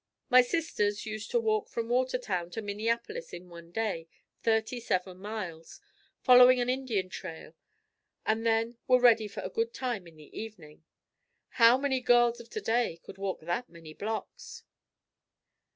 My sisters used to walk from Watertown to Minneapolis in one day, thirty seven miles, following an Indian trail and then were ready for a good time in the evening. How many girls of today could walk that many blocks?